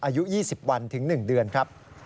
อายุ๒๐วันถึง๑เดือนครับ